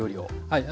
はい。